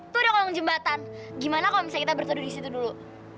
tuh ada kolong jembatan gimana kalau misalnya kita bertuduh di situ dulu